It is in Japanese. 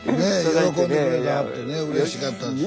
喜んでくれてはってねうれしかったですね。